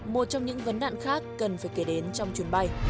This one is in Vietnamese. một trong những vấn nạn khác cần phải kể đến trong chuyến bay